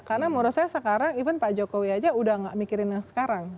karena menurut saya sekarang even pak jokowi aja udah nggak mikirin yang sekarang